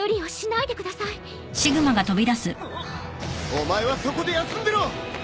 お前はそこで休んでろ！